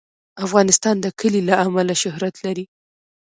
افغانستان د کلي له امله شهرت لري.